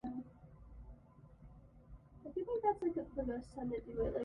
While the album sold more than its predecessor, it stalled at Gold status.